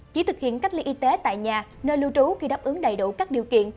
chỉ thực hiện cách ly y tế tại nhà nơi lưu trú khi đáp ứng đầy đủ các điều kiện